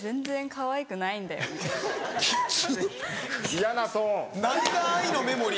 嫌なトーン。